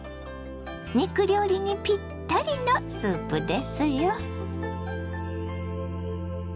肉料理にぴったりのスープですよ。